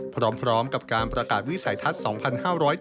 พร้อมกับการประกาศวิสัยทัศน์๒๕๗